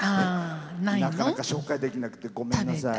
なかなか紹介できなくてごめんなさい。